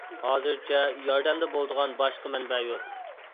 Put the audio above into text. ھازىرچە ياردەمدە بولىدىغان باشقا مەنبە يوق.